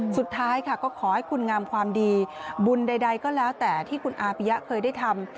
สุดท้ายค่ะก็ขอให้คุณงามความดีบุญใดก็แล้วแต่ที่คุณอาปิยะเคยได้ทำ